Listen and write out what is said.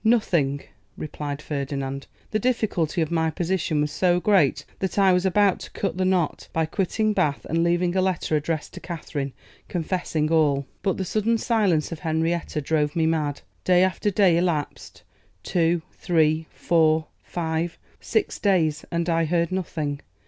'Nothing,' replied Ferdinand; 'the difficulty of my position was so great that I was about to cut the knot, by quitting Bath and leaving a letter addressed to Katherine, confessing all. But the sudden silence of Henrietta drove me mad. Day after day elapsed; two, three, four, five, six days, and I heard nothing.